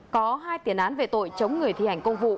có hai tiền án về tội chống người thi hành công vụ